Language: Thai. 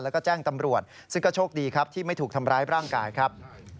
แล้วก็แจ้งตำรวจซึ่งก็โชคดีครับที่ไม่ถูกทำร้ายร่างกายครับ